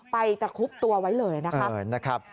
ตะคุบตัวไว้เลยนะครับ